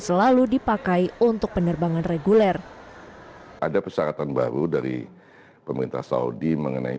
selalu dipakai untuk penerbangan reguler ada persyaratan baru dari pemerintah saudi mengenai